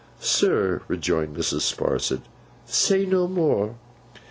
'Sir,' rejoined Mrs. Sparsit, 'say no more.